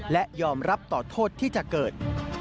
และยอมรับต่อโทษที่จะเกิด